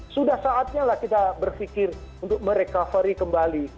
sudah saatnya lah kita berpikir untuk merecovery kembali